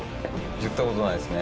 やったことないですね。